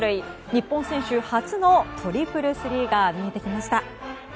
日本選手初のトリプルスリーが見えてきました。